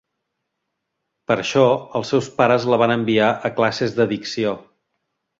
Per això, els seus pares la van enviar a classes de dicció.